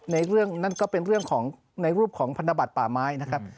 นั่นก็เป็นเรื่องในรูปของพันธบัตรป่าไม้นะครับ